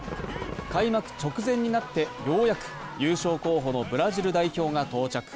開幕直前になってようやく優勝候補のブラジル代表が到着。